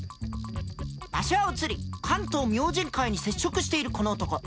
場所は移り関東明神会に接触しているこの男。